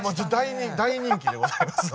大人気でございますので。